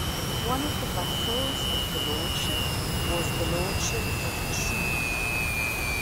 One of the vassals of the lordship was the Lordship of the Shuf.